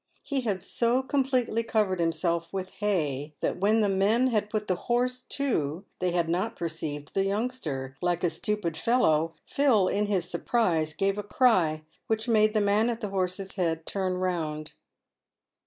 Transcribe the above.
He had so completely covered himself with hay that when the men had put the horse to they had not perceived the youngster. Like a stupid fellow, Phil in his surprise gave a cry, which made the man at the horse's head turn round.